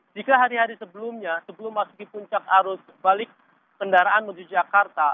jika hari hari sebelumnya sebelum masuk di puncak arus balik kendaraan menuju jakarta